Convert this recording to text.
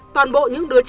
toàn bộ những đứa trẻ nhỏ